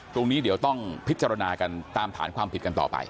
ตรงนี้เดี๋ยวต้องพิจารณากันตามฐานความผิดกันต่อไป